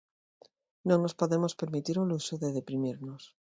Non nos podemos permitir o luxo de deprimirnos.